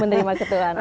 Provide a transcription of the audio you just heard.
menerima keketuaan oke